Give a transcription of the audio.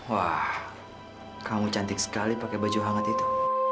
wah kamu cantik sekali pakai baju hangat itu